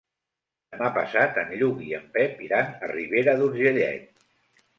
Demà passat en Lluc i en Pep iran a Ribera d'Urgellet.